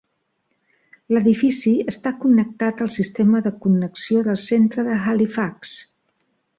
L'edifici està connectat al sistema de connexió del centre de Halifax.